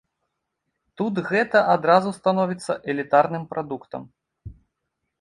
Тут гэта адразу становіцца элітарным прадуктам.